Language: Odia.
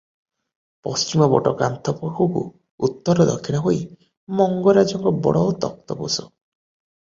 ପଶ୍ଚିମ ପଟ କାନ୍ଥ ପାଖକୁ ଉତ୍ତର ଦକ୍ଷିଣ ହୋଇ ମଙ୍ଗରାଜଙ୍କ ବଡ଼ ତକ୍ତପୋଷ ।